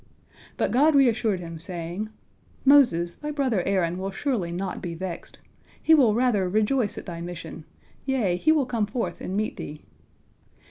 But God reassured him, saying, "Moses, thy brother Aaron will surely not be vexed, he will rather rejoice at thy mission, yea, he will come forth and meet thee."